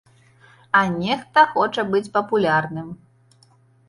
А нехта хоча быць папулярным.